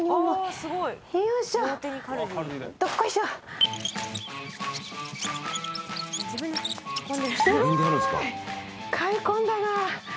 すごい買い込んだな。